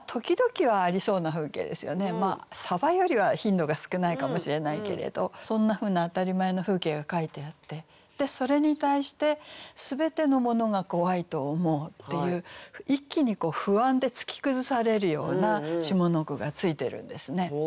サバよりは頻度が少ないかもしれないけれどそんなふうな当たり前の風景が書いてあってでそれに対して「すべてのものがこわいと思う」っていう一気に不安で突き崩されるような下の句がついてるんですね。